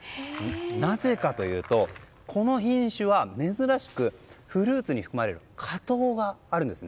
なぜかというとこの品種は珍しくフルーツに含まれる果糖があるんです。